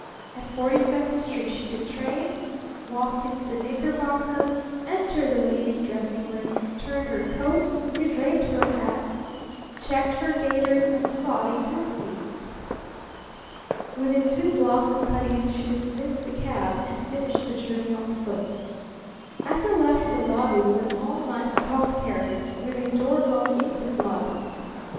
At Forty second Street she detrained, walked into the Knickerbocker, entered the ladies dressing room, turned her coat, redraped her hat, checked her gaiters, and sought a taxi. Within two blocks of Cutty's she dismissed the cab and finished the journey on foot. At the left of the lobby was an all night apothecary's, with a door going into the lobby.